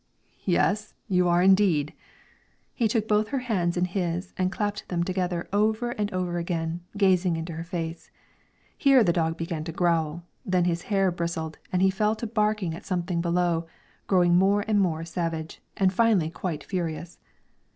"Yes; you are, indeed." He took both her hands in his and clapped them together over and over again, gazing into her face. Here the dog began to growl, then his hair bristled and he fell to barking at something below, growing more and more savage, and finally quite furious.